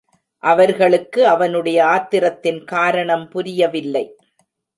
அவர்களுக்கு அவனுடைய ஆத்திரத்தின் காரணம் புரிய வில்லை.